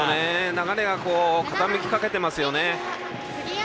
流れが傾きかけてますよね。